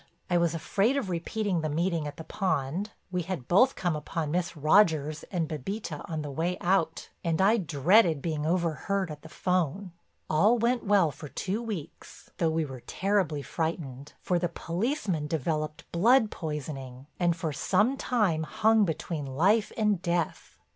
I was afraid of repeating the meeting at the pond—we had both come upon Miss Rogers and Bébita on the way out—and I dreaded being overheard at the 'phone. "All went well for two weeks, though we were terribly frightened, for the policeman developed blood poisoning, and for some time hung between life and death.